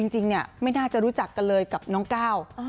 จริงไม่น่าจะรู้จักกันเลยกับน้องก้าว